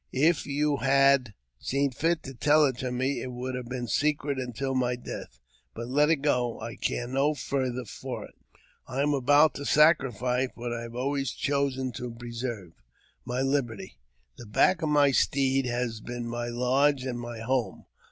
If you had seen fit to tell it to me, it would have been secret until my death. But let it go ; I care no farther for it. " I am about to sacrifice what I have always chosen to preserve — my liberty. The back of my steed has been my lodge and my home.